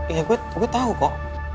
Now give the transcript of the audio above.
iya gue tau kok